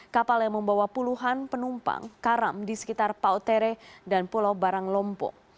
kapal yang membawa puluhan penumpang karam di sekitar pautere dan pulau baranglompo